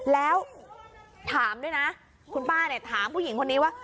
แล้วถามด้วยนะคุณป้าเนี่ยถามผู้หญิงคนนี้ว่า